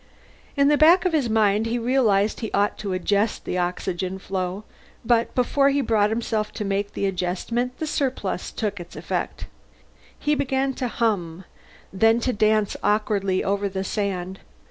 In the back of his mind he realized he ought to adjust his oxygen flow, but before he brought himself to make the adjustment the surplus took its effect. He began to hum, then to dance awkwardly over the sand.